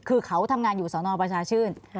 คือเขาทำงานอยู่สนประชาชื่น